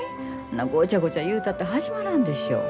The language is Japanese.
ごちゃごちゃ言うたって始まらんでしょう。